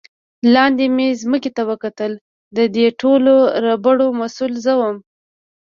لاندې مې ځمکې ته وکتل، د دې ټولو ربړو مسؤل زه ووم.